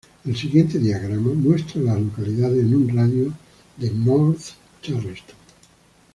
El siguiente diagrama muestra a las localidades en un radio de de North Charleston.